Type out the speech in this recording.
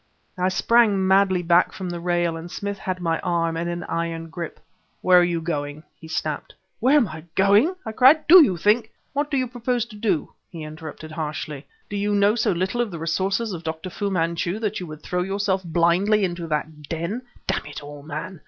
I sprang madly back from the rail ... and Smith had my arm in an iron grip. "Where are you going?" he snapped. "Where am I going?" I cried. "Do you think " "What do you propose to do?" he interrupted harshly. "Do you know so little of the resources of Dr. Fu Manchu that you would throw yourself blindly into that den? Damn it all, man!